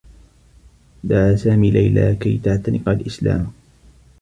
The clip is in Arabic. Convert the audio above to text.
دعى سامي ليلى كي تعتنق الإسلام.